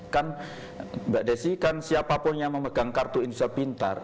kan mbak desy siapapun yang memegang kartu indonesia pintar